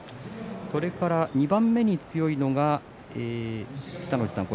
そして、２番目に強いのが北の富士さん